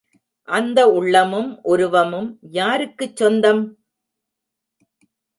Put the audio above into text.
அந்த உள்ளமும் உருவமும் யாருக்குச் சொந்தம்?